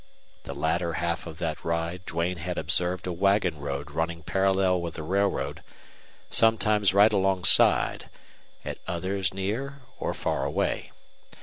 The latter half of that ride Duane had observed a wagon road running parallel with the railroad, sometimes right alongside, at others near or far away.